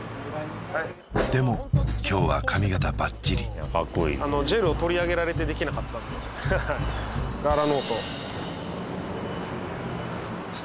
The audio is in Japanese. でも今日は髪形バッチリジェルを取り上げられてできなかったんで高級？